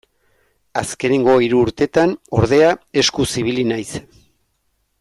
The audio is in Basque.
Azkenengo hiru urtetan, ordea, eskuz ibili naiz.